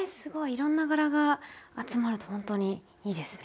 いろんな柄が集まるとほんとにいいですね。